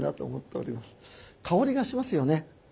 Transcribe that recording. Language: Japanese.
香りがしますよね。